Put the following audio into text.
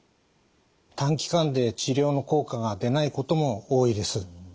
短期間で治療の効果が出ないことも多いです。